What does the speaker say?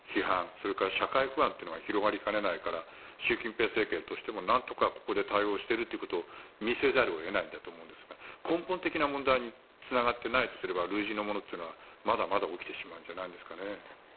それから社会不安というのが広がりかねないから習近平政権としてもなんとかここで対応しているということを見せざるを得ないと思うんですが根本的な問題につながってないとすれば類似のものというのはまだまだ起きてしまうんじゃないんですかね。